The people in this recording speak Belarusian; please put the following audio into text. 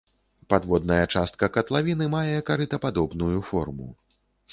Падводная частка катлавіны мае карытападобную форму.